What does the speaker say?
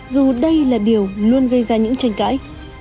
dù đây là điều luôn gây ra những tranh cãi